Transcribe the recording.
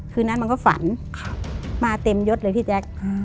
คืนนั้นมันก็ฝันมาเต็มยดเลยพี่แจ๊ค